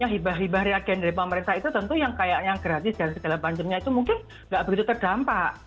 hibah hibah reagen dari pemerintah itu tentu yang kayaknya gratis dan segala macamnya itu mungkin nggak begitu terdampak